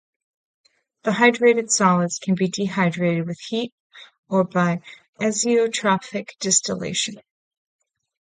The hydrated solid can be dehydrated with heat or by azeotropic distillation.